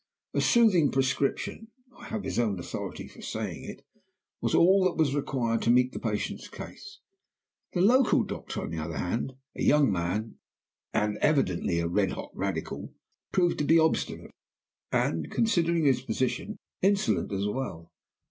A soothing prescription (I have his own authority for saying it) was all that was required to meet the patient's case. The local doctor, on the other hand, a young man (and evidently a red hot radical), proved to be obstinate, and, considering his position, insolent as well.